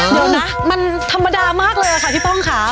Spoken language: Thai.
เดี๋ยวนะมันธรรมดามากเลยค่ะพี่ป้องค่ะ